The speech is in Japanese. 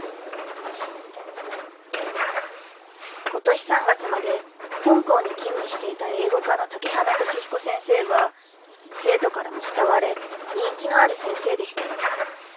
今年３月まで本校に勤務していた英語科の竹花俊彦先生は生徒からも慕われ人気のある先生でした。